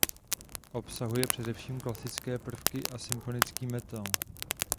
Obsahuje především klasické prvky a symfonický metal.